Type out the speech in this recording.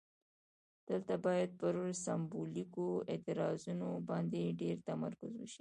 دلته باید پر سمبولیکو اعتراضونو باندې ډیر تمرکز وشي.